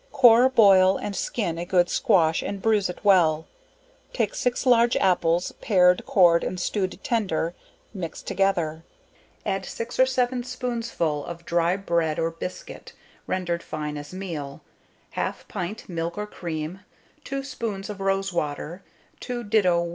Core, boil and skin a good squash, and bruize it well; take 6 large apples, pared, cored, and stewed tender, mix together; add 6 or 7 spoonsful of dry bread or biscuit, rendered fine as meal, half pint milk or cream, 2 spoons of rose water, 2 do.